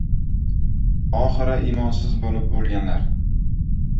Oxiri iymonsiz bo‘lib o‘lganlar.